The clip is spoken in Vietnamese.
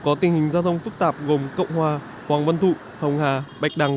có tình hình giao thông phức tạp gồm cộng hòa hoàng vân thụ hồng hà bạch đằng